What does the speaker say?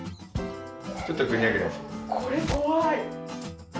これ怖い！